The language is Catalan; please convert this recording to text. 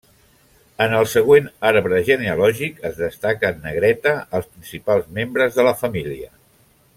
En el següent arbre genealògic es destaca en negreta els principals membres de la família.